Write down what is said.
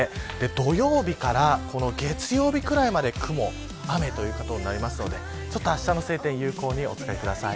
土曜日から月曜日くらいまでは雲雨ということになるのであしたの晴天を有効にお使いください。